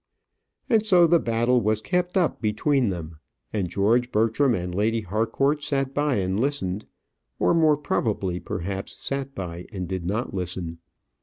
And so the battle was kept up between them, and George Bertram and Lady Harcourt sat by and listened; or more probably, perhaps, sat by and did not listen.